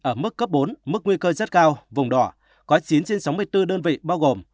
ở mức cấp bốn mức nguy cơ rất cao vùng đỏ có chín trên sáu mươi bốn đơn vị bao gồm